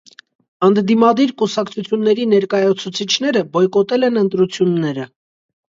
Ընդդիմադիր կուսակցությունների ներկայացուցիչները բոյկոտել են ընտրությունները։